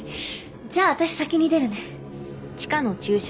じゃああたし先に出るね